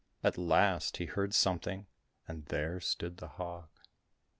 At last he heard something — and there stood the hog.